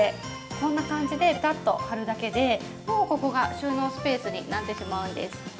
こんな感じでペタッと貼るだけでもうここが収納スペースになってしまうんです。